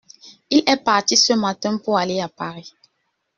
Il est parti ce matin pour aller à Paris.